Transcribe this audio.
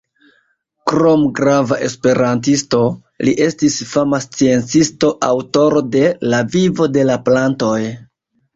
Krom grava esperantisto, li estis fama sciencisto, aŭtoro de "La Vivo de la Plantoj".